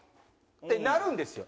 ってなるんですよ。